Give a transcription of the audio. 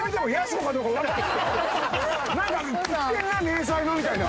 なんか着てんな迷彩のみたいな。